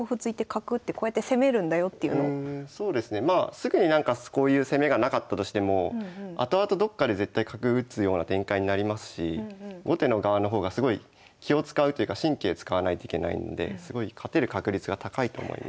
すぐになんかこういう攻めがなかったとしてもあとあとどっかで絶対角打つような展開になりますし後手の側の方がすごい気を遣うというか神経使わないといけないのですごい勝てる確率が高いと思います。